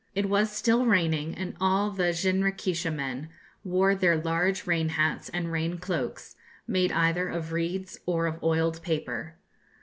It was still raining, and all the jinrikisha men wore their large rain hats and rain cloaks, made either of reeds or of oiled paper.